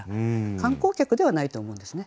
観光客ではないと思うんですね。